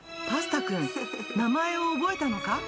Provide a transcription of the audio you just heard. パスタくん、名前を覚えたのか？